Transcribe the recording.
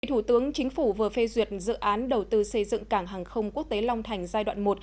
thủ tướng chính phủ vừa phê duyệt dự án đầu tư xây dựng cảng hàng không quốc tế long thành giai đoạn một